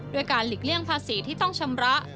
การหลีกเลี่ยงภาษีที่ต้องชำระ